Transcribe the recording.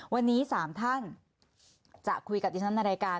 วันนี้๓ท่านจะคุยกับดิฉันในรายการ